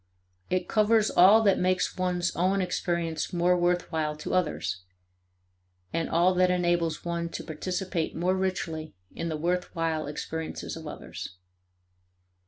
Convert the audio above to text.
It covers all that makes one's own experience more worth while to others, and all that enables one to participate more richly in the worthwhile experiences of others.